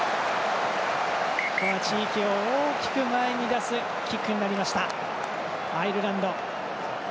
地域を大きく前に出すキックになりましたアイルランド。